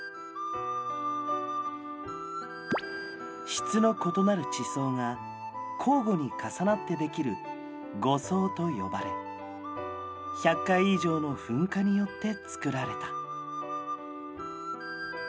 質の異なる地層が交互に重なってできる互層と呼ばれ１００回以上の噴火によってつくられた。